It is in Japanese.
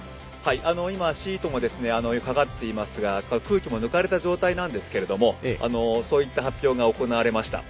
シートもかかっていますが空気も抜かれた状態なんですがそういった発表が行われました。